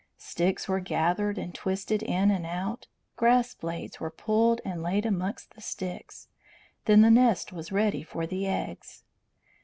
Sticks were gathered and twisted in and out, grass blades were pulled and laid amongst the sticks; then the nest was ready for the eggs.